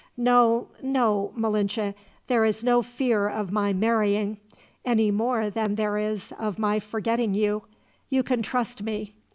"No, no, Malinche, there is no fear of my marrying, any more than there is of my forgetting you. You can trust me.